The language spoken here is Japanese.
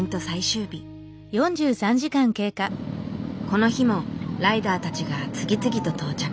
この日もライダーたちが次々と到着。